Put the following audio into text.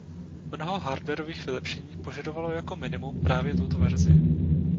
Mnoho hardwarových vylepšení požadovalo jako minimum právě tuto verzi.